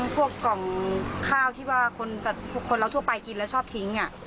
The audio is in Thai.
กล่องข้าวที่ว่าคนเราทั่วไปกินแล้วชอบทิ้ง